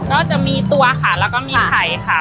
ก็จะมีตัวค่ะแล้วก็มีไข่ค่ะ